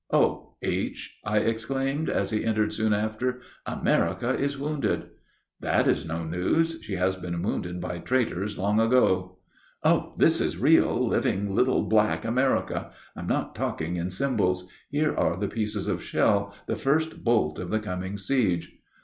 "Oh! H.," I exclaimed, as he entered soon after, "America is wounded." "That is no news; she has been wounded by traitors long ago." "Oh, this is real, living, little black America. I am not talking in symbols. Here are the pieces of shell, the first bolt of the coming siege."